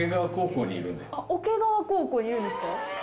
桶川高校にいるんですか？